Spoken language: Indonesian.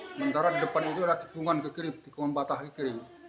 sementara di depan itu ada tikungan ke kiri tikungan batah ke kiri